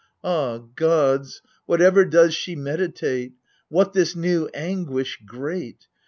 Ah, gods, what ever does she meditate? What this new anguish great